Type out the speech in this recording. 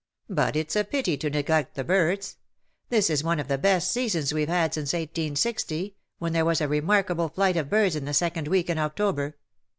But it^s a pity to neglect the birds. This is one of the best seasons we\e had since I860, when there was a remarkable flight of birds in the second week in October.